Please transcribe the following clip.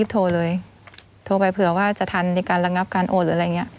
โทรเลยโทรไปเผื่อว่าจะทันในการระงับการโอนหรืออะไรอย่างนี้